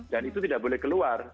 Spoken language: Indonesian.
dan itu tidak boleh keluar